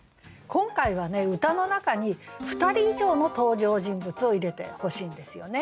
今回はね歌の中に２人以上の登場人物を入れてほしいんですよね。